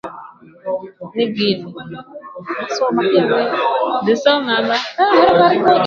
chane na hapo huko guinea nako mambo ni hivo hivo